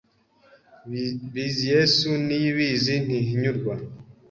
Bizyesu, Niyibizi, Ntihinyurwa”